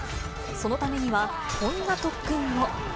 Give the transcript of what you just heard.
そのためには、こんな特訓も。